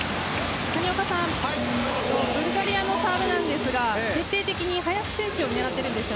ブルガリアのサーブなんですが徹底的に林選手を狙っているんです。